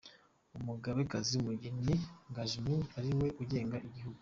Umugabekazi Mugeni Gahwijima ariwe ugenga igihugu.